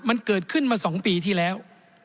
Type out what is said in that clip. มันเกิดขึ้นมา๒ปีที่แล้ว